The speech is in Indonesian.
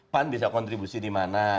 pan bisa kontribusi di mana